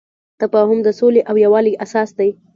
تفاهم د سولې او یووالي اساس دی.